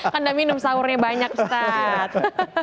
kan udah minum sahurnya banyak ustadz